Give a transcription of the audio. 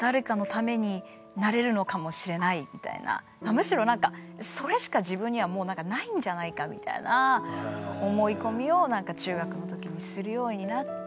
むしろなんかそれしか自分にはないんじゃないかみたいな思い込みを中学の時にするようになって。